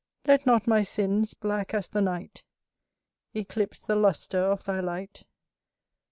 Let not my sins, black as the night, Eclipse the lustre of thy light.